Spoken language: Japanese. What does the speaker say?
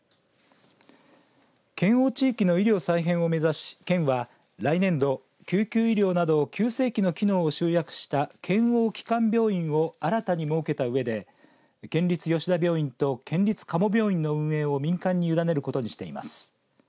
県央地域の医療再編を目指し県は、来年度救急医療など急性期の機能を集約した県央基幹病院を新たに設けたうえで県立吉田病院と県立加茂病院の運営を民間に委ねることにしています。